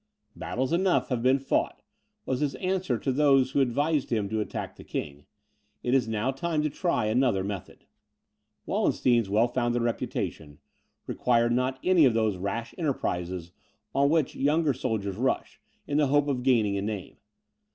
"Battles enough have been fought," was his answer to those who advised him to attack the King, "it is now time to try another method." Wallenstein's well founded reputation required not any of those rash enterprises on which younger soldiers rush, in the hope of gaining a name.